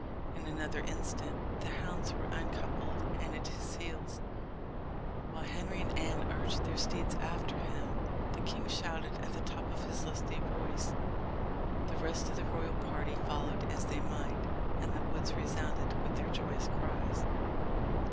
In another instant the hounds were un coupled and at his heels, while Henry and Anne urged their steeds after him, the king shouting at the top of his lusty voice. The rest of the royal party followed as they might, and the woods resounded with their joyous cries.